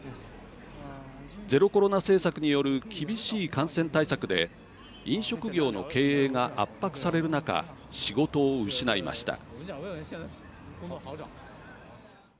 ゼロコロナ政策による厳しい感染対策で飲食業の経営が圧迫される中仕事を失いました。